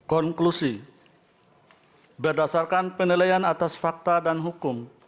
konklusi berdasarkan penilaian atas fakta dan hukum